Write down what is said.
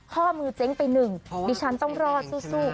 ข้อมือเจ๊งไปหนึ่งดิฉันต้องรอดสู้